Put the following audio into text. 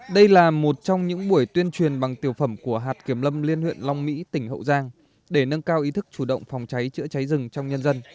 đây là một trong những buổi tuyên truyền bằng tiểu phẩm của hạt kiểm lâm liên huyện long mỹ tỉnh hậu giang để nâng cao ý thức chủ động phòng cháy chữa cháy rừng trong nhân dân